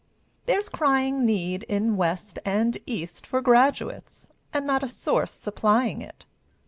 There's crying need in West and East For graduates, and not a source Supplying it.